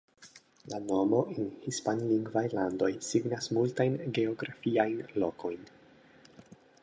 La nomo en hispanlingvaj landoj signas multajn geografiajn lokojn.